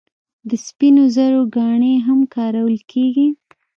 د سپینو زرو ګاڼې هم کارول کیږي.